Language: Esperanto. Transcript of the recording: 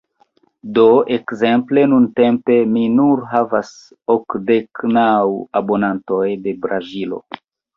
Do ekzemple nuntempe mi nur havas okdek naŭ abonantoj de Brazilo.